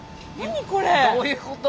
どういうこと？